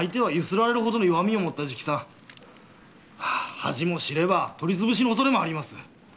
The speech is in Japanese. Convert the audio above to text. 恥も知れば取り潰しの恐れもあります。